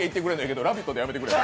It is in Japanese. けど「ラヴィット！」ではやめてくれよ